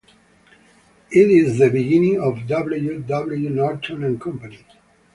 This is the beginning of W. W. Norton and Company.